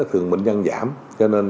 thường bệnh nhân giảm cho nên